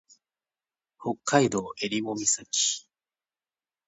北海道襟裳岬